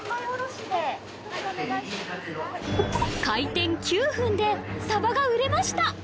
開店９分でサバが売れました